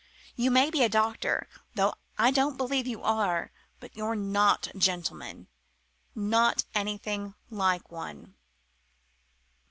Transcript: You may be a doctor though I don't believe you are but you're not a gentleman. Not anything like one!"